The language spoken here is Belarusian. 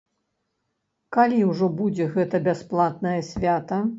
Калі ўжо будзе гэта бясплатнае свята?